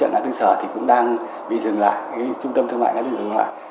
ngã tư sở thì cũng đang bị dừng lại cái trung tâm thương mại ngã tư dừng lại